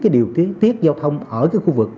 cái điều tiết giao thông ở cái khu vực